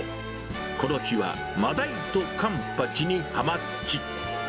この日はマダイとカンパチにハマチ。